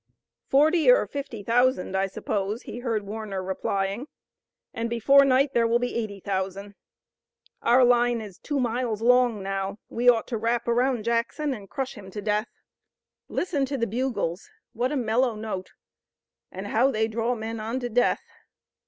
"Forty or fifty thousand, I suppose," he heard Warner replying, "and before night there will be eighty thousand. Our line is two miles long now. We ought to wrap around Jackson and crush him to death. Listen to the bugles! What a mellow note! And how they draw men on to death!